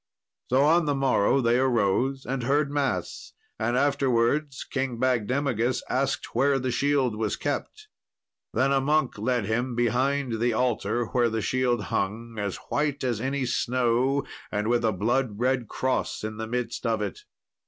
So on the morrow they arose and heard mass, and afterwards King Bagdemagus asked where the shield was kept. Then a monk led him behind the altar, where the shield hung, as white as any snow, and with a blood red cross in the midst of it.